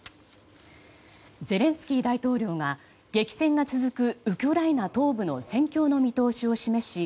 ゼレンスキー大統領が激戦が続くウクライナ東部の戦況の見通しを示し